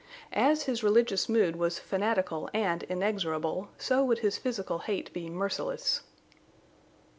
As his religious mood was fanatical and inexorable, so would his physical hate be merciless.